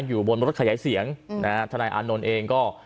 อยู่บนรถขยายเสียงนะฮะทนายอานนท์เองก็